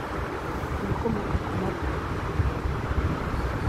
ibikomoka ku mata